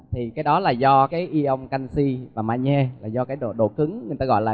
thì cái đó là do cái ion canxi và manhê là do cái độ cứng